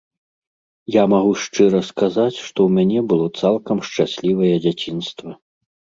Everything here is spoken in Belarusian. Я магу шчыра сказаць, што ў мяне было цалкам шчаслівае дзяцінства.